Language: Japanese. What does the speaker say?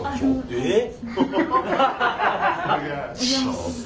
えっ？